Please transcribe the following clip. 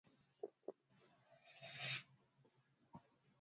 andaa mafuta ya kupikia